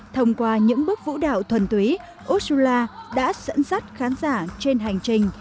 thông qua những bước vũ đạo thuần túy australia đã dẫn dắt khán giả trên hành trình